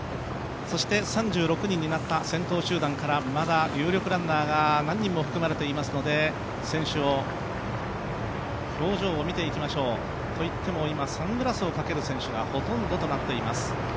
そして、３６人になった先頭集団から、有力選手も何人も含まれてますので選手の表情を見ていきましょうといっても今サングラスをかける選手がほとんどとなっています。